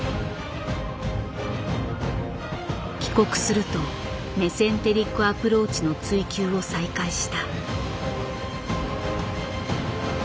帰国すると「メセンテリック・アプローチ」の追求を再開した。